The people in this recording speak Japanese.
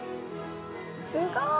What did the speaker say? すごーい！